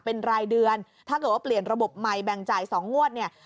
เป็นรายเดือนถ้าเกิดว่าเปลี่ยนระบบใหม่แบ่งจ่าย๒งวดเนี่ย